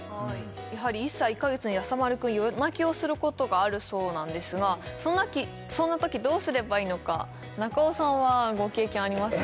やはり１歳１カ月のやさ丸くん夜泣きをすることがあるそうなんですがそんなときどうすればいいのか中尾さんはご経験ありますか？